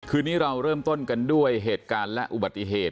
คืนนี้เราเริ่มต้นกันด้วยเหตุการณ์และอุบัติเหตุ